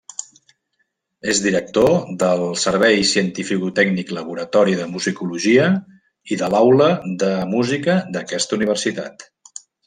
És director del Servei Cientificotècnic Laboratori de Musicologia i de l'Aula de Música d'aquesta universitat.